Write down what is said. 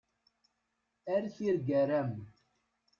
A tirgara-m!